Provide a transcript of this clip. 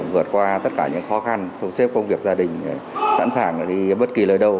vượt qua tất cả những khó khăn số xếp công việc gia đình sẵn sàng đi bất kỳ lời đâu